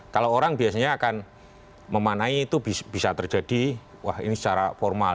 kalau orang biasanya akan memanai itu bisa terjadi wah ini secara formal